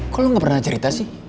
kalau lo gak pernah cerita sih